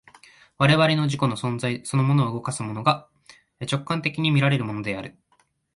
我々の自己の存在そのものを動かすものが、直観的に見られるものである。